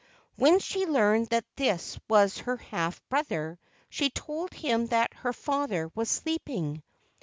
When she learned that this was her half brother, she told him that her father was sleeping.